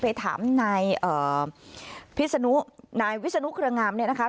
ไปถามนายพิศนุนายวิศนุเครืองามเนี่ยนะคะ